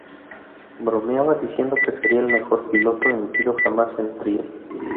Bromeaba diciendo que sería el mejor piloto emitido jamás en "Trio".